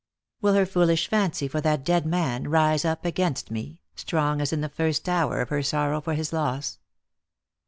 Will her foolish fancy for that dead man rise up against me, strong as in the first hour of her sorrow for his loss